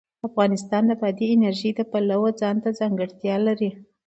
افغانستان د بادي انرژي د پلوه ځانته ځانګړتیا لري.